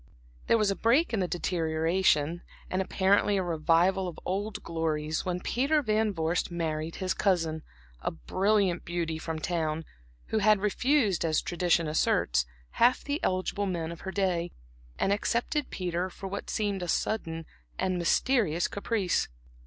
There was a break in the deterioration, and apparently a revival of old glories, when Peter Van Vorst married his cousin, a brilliant beauty from town, who had refused, as tradition asserts, half the eligible men of her day, and accepted Peter for what seemed a sudden and mysterious caprice.